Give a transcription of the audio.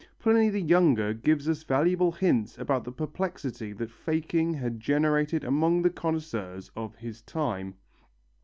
Pliny the Younger gives us valuable hints about the perplexity that fakery had generated among the connoisseurs of his time.